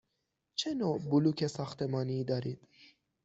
چه نوع بلوک ساختمانی دارید؟